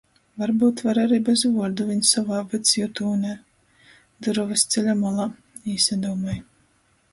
Varbyut var ari bez vuordu, viņ sovā vyds jutūnē. Durovys ceļa molā. Īsadūmoj.